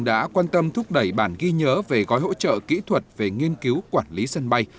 đã quan tâm thúc đẩy bản ghi nhớ về gói hỗ trợ kỹ thuật về nghiên cứu quản lý sân bay